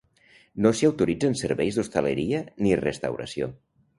No s’hi autoritzen serveis d’hostaleria ni restauració.